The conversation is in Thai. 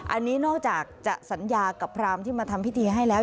อันนี้นอกจากจะสัญญากับพรามที่มาทำพิธีให้แล้ว